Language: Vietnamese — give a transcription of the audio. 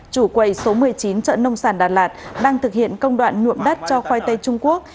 chủ quầy số một mươi chín chợ nông sản đà lạt đang thực hiện công đoạn nhuộm đất cho khoai tây trung quốc